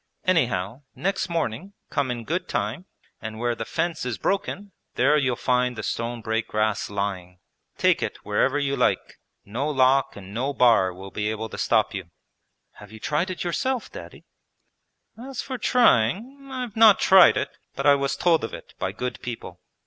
Anyhow next morning come in good time, and where the fence is broken there you'll find the stone break grass lying. Take it wherever you like. No lock and no bar will be able to stop you.' 'Have you tried it yourself. Daddy?' 'As for trying, I have not tried it, but I was told of it by good people.